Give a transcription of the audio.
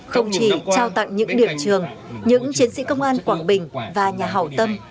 không chỉ trao tặng những điểm trường những chiến sĩ công an quảng bình và nhà hảo tâm